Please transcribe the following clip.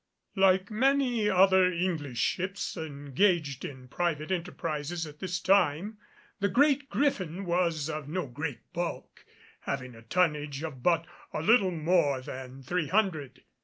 Like many other English ships engaged in private enterprises at this time, the Great Griffin was of no great bulk, having a tonnage of but a little more than three hundred.